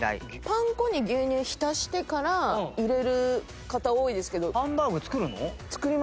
パン粉に牛乳浸してから入れる方多いですけど。